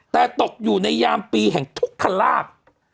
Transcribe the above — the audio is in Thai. แต่ตกอยู่ในยามปีแห่งทุกขลาบ